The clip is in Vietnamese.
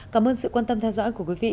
cảm ơn sự quan tâm theo dõi của quý vị